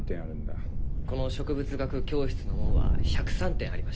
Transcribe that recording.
この植物学教室のもんは１０３点ありました。